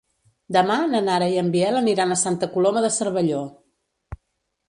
Demà na Nara i en Biel aniran a Santa Coloma de Cervelló.